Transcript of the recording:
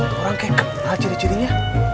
orang kayak kenal ciri cirinya